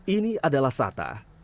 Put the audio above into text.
ini adalah sata